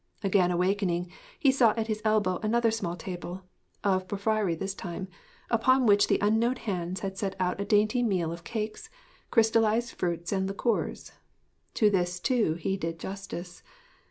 Again awaking, he saw at his elbow another small table of porphyry this time upon which the unknown hands had set out a dainty meal of cakes, crystallised fruits and liqueurs. To this, too, he did justice.